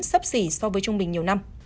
sấp xỉ so với trung bình nhiều năm